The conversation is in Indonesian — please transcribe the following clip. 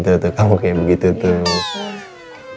tetap kamu kayak begitu tuh